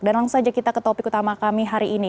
dan langsung saja kita ke topik utama kami hari ini